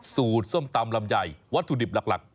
ส้มตำลำไยวัตถุดิบหลัก